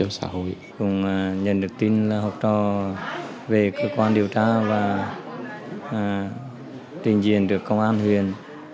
em nhận được tin là học trò về cơ quan điều tra và trình diện được công an huyền